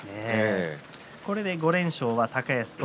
これで５連勝は高安と